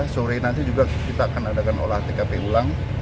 sore nanti juga kita akan adakan olah tkp ulang